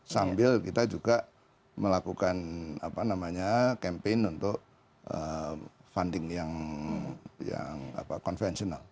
sambil kita juga melakukan campaign untuk funding yang konvensional